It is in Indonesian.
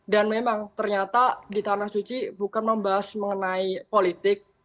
dan memang ternyata di tanah suci bukan membahas mengenai politik